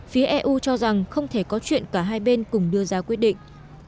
phía eu cho rằng không thể có chuyện cả hai bên cùng đưa ra quyết định